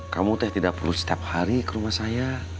kamu teh tidak perlu setiap hari ke rumah saya